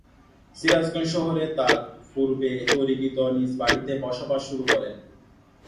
সিরাজগঞ্জ শহরে তার পূর্বে তৈরিকৃত নিজ বাড়িতে বসবাস শুরু করেন।